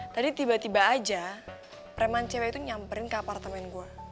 tadi tiba tiba aja preman cewek itu nyamperin ke apartemen gue